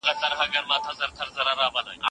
ستا د څيړني موضوع څه ده؟